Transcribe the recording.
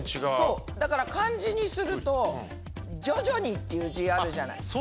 だから漢字にすると「徐々に」っていう字あるじゃない？